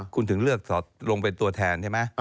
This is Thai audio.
คุณถึงเลือกลงเป็นตัวแทนใช่ไหม